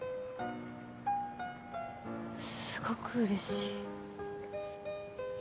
すごくうれしい。